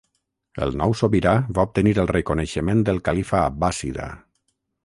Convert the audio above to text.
El nou sobirà va obtenir el reconeixement del califa abbàssida.